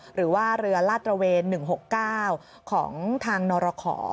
หรือว่าเรือลาดตระเวน๑๖๙ของทางนรขอ